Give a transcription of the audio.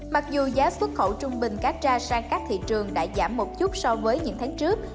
mặc dù giá xuất khẩu trung bình cá tra sang các thị trường đã giảm một chút so với những tháng trước